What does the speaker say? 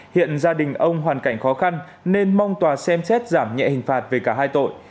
hiện gia đình ông hoàn cảnh khó khăn nên mong tòa xem xét giảm nhẹ hình phạt về cả hai tội